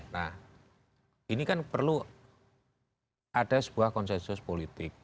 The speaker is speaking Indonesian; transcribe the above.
nah ini kan perlu ada sebuah konsensus politik